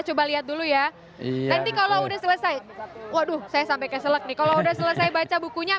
coba lihat dulu ya nanti kalau udah selesai waduh saya sampai ke selek nih kalau udah selesai baca bukunya